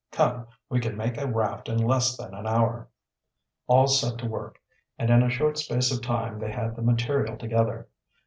"Come, we can make a raft in less than an hour." All set to work, and in a short space of time they had the material together.